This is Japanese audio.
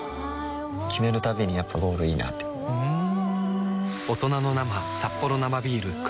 決めるたびにやっぱゴールいいなってふんうん。